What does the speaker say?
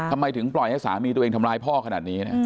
ทำไมถึงปล่อยให้สามีตัวเองทำร้ายพ่อขนาดนี้